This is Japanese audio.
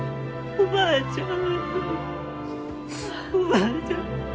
おばあちゃん。